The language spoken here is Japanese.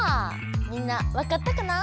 みんなわかったかな？